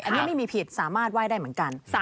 อันนี้ไม่มีผิดสามารถไหว้ได้เหมือนกัน